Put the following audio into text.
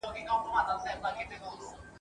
دی یې تش له لوی اوازه وېرېدلی !.